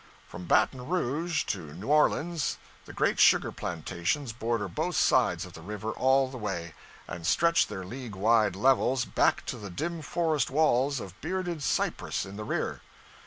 From Baton Rouge to New Orleans, the great sugar plantations border both sides of the river all the way, and stretch their league wide levels back to the dim forest walls of bearded cypress in the rear.